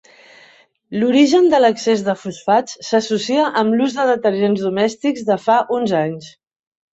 L'origen de l'excés de fosfats s'associa amb l'ús de detergents domèstics de fa uns anys.